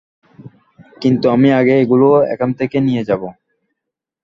কিন্তু, আমিই আগে এগুলো এখান থেকে নিয়ে যাবো।